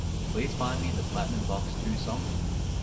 Please find me the Platinum Box II song?